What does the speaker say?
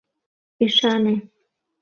Ӱшане!